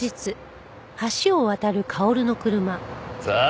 さあ